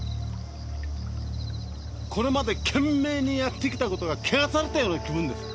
これまで懸命にやってきたことが汚されたような気分です。